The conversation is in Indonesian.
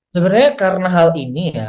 sebenarnya karena hal ini ya